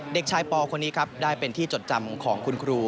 เด็กชายปคนนี้ครับได้เป็นที่จดจำของคุณครู